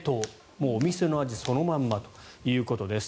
もうお店の味そのまんまということです。